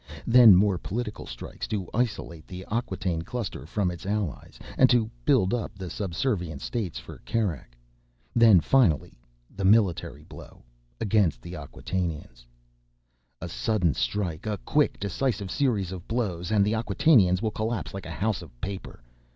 Then more political strikes to isolate the Acquataine Cluster from its allies, and to build up subservient states for Kerak. Then, finally, the military blow—against the Acquatainians. "A sudden strike, a quick, decisive series of blows, and the Acquatainians will collapse like a house of paper.